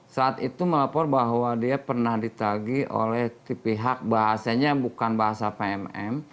saat itu melapor bahwa dia pernah ditagi oleh pihak bahasanya bukan bahasa pmm